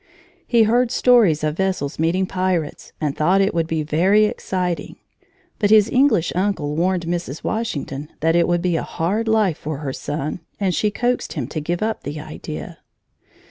He heard stories of vessels meeting pirates and thought it would be very exciting. But his English uncle warned Mrs. Washington that it would be a hard life for her son, and she coaxed him to give up the idea.